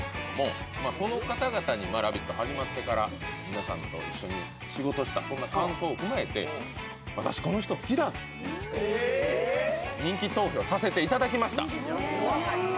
始まってから皆さんと一緒に仕事したそんな感想を踏まえて私この人好きだっていう人人気投票させていただきました